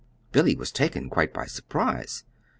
Billy was taken quite by surprise.